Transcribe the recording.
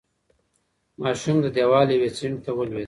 ماشوم د دېوال یوې څنډې ته ولوېد.